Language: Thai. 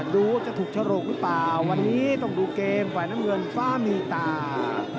ดูจะถูกฉลกหรือเปล่าวันนี้ต้องดูเกมฝ่ายน้ำเงินฟ้ามีตา